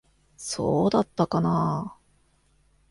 そうだったかなあ。